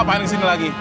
gapain yan ke sini lagi